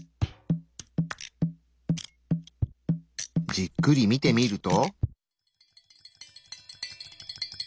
じっくり見てみると。